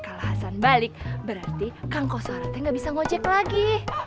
kalau hasan balik berarti kang kosoratnya gak bisa ngecek lagi